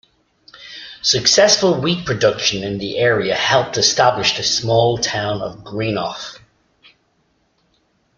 Successful wheat production in the area helped establish the small town of Greenough.